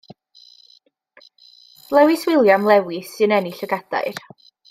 Lewis William Lewis sy'n ennill y gadair.